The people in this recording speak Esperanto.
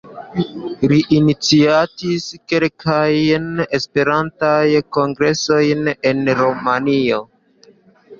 Li iniciatis kelkajn Esperantaj kongresojn en Rumanio.